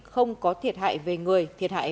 không có thiệt hại về người thiệt hại